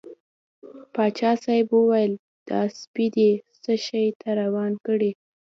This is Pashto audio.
پاچا صاحب وویل دا سپی دې څه شي ته روان کړی.